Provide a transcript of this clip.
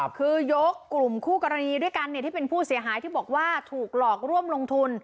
คือยกกลุ่มคู่กรณีด้วยกันที่เป็นผู้เสียหายที่บอกว่าถูกหลอกร่วมลงทุน